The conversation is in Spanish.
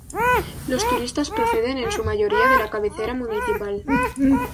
Los turistas proceden en su mayoría de la cabecera municipal.